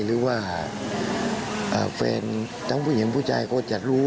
หรือว่าแฟนทั้งผู้หญิงผู้ชายก็จะรู้